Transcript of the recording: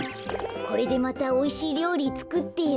これでまたおいしいりょうりつくってよ。